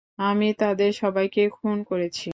আমি তাদের সবাইকে খুন করেছি।